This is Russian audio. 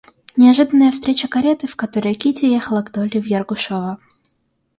Неожиданная встреча кареты, в которой Кити ехала к Долли в Ергушово.